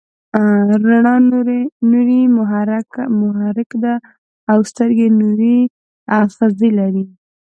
رڼا نوري محرک ده او سترګه نوري آخذې لري.